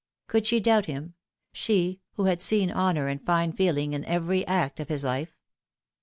Could she doubt him, she who had seen honour and fine feel ing in every act of his life